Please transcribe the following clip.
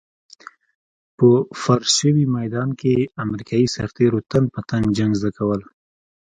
په فرش شوي ميدان کې امريکايي سرتېرو تن په تن جنګ زده کول.